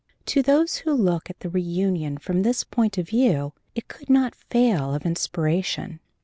To those who looked at the reunion from this point of view it could not fail of inspiration.